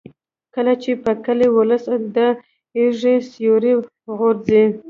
کله چې په کلي ولس د ایږې سیوری غورځي.